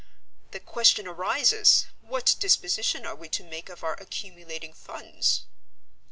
The question arises, what disposition are we to make of our accumulating funds?"